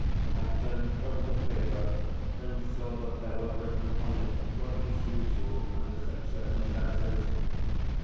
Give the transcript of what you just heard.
I turned over the paper, and saw that there was written on it what is usual under such circumstances.